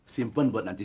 simpen buat nanti